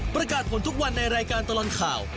ประกาศผลทุกวันในรายการตลอดข่าว